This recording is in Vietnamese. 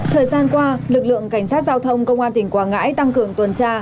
thời gian qua lực lượng cảnh sát giao thông công an tỉnh quảng ngãi tăng cường tuần tra